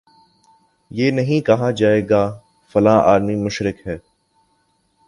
یہ نہیں کہا جائے گا فلاں آدمی مشرک ہے